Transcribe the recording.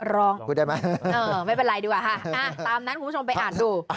รองไม่เป็นไรดีกว่าฮะตามนั้นคุณผู้ชมไปอ่านดู